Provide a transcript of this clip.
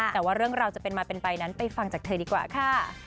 แต่ว่าเรื่องราวจะเป็นมาเป็นไปนั้นไปฟังจากเธอดีกว่าค่ะ